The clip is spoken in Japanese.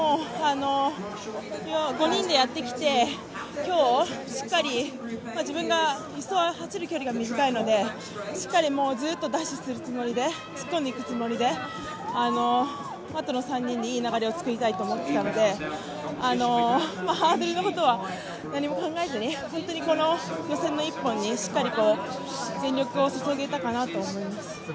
５人でやってきて、今日自分が１走走る距離が短いのでずっとダッシュするつもりで突っ込んでいくつもりであとの３人にいい流れをつくりたいと思っていたのでハードルのことは何も考えずに、本当にこの予選の一本にしっかり全力を注げたかなと思います。